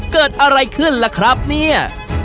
เกิดอะไรขึ้นล่ะครับเนี่ย